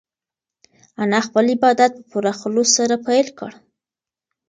انا خپل عبادت په پوره خلوص سره پیل کړ.